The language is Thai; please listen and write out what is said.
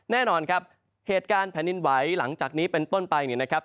แน่นอนครับเหตุการณ์แผ่นดินไหวหลังจากนี้เป็นต้นไปเนี่ยนะครับ